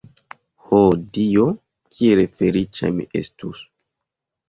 Ho Dio, kiel feliĉa mi estus!